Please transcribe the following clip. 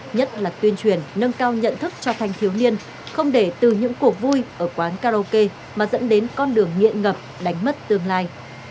nhất là tuyên truyền nâng cao nhận thức cho thanh thiếu niên không để từ những cuộc vui ở quán karaoke mà dẫn đến con đường nghiện ngập đánh mất tương lai